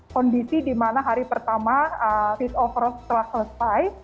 kondisi di mana hari pertama fit over telah selesai